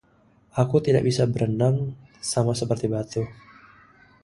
Aku tidak bisa berenang, sama seperti batu.